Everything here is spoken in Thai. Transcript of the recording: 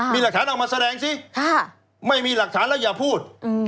มีหลักฐานออกมาแสดงสิไม่มีหลักฐานแล้วอย่าพูด